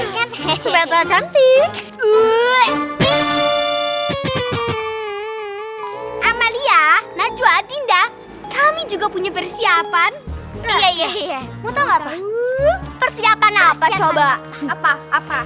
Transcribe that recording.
banget sama lihat najwa dinda kami juga punya persiapan iya ya iya muslim apa what apa coba apa